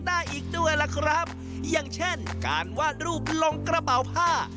ได้อีกด้วยล่ะครับอย่างเช่นการวาดรูปลงกระเป๋าผ้า